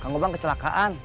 kang gobang kecelakaan